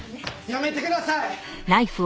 やめてください！